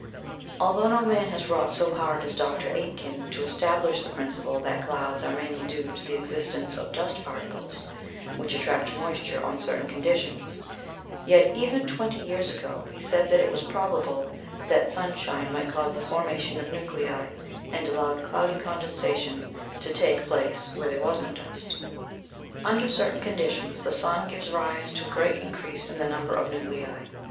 Although no man has wrought so hard as Dr. Aitken to establish the principle that clouds are mainly due to the existence of dust particles which attract moisture on certain conditions, yet even twenty years ago he said that it was probable that sunshine might cause the formation of nuclei and allow cloudy condensation to take place where there was no dust. Under certain conditions the sun gives rise to a great increase in the number of nuclei.